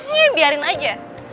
nih biarin aja